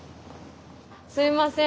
すいません。